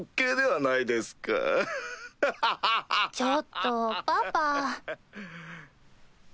ちょっとパパ。